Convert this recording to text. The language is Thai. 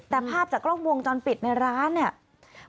แต่ภาพจากกล้องวงจรปิดในร้านเนี่ย